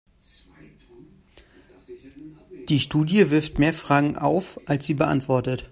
Die Studie wirft mehr Fragen auf, als sie beantwortet.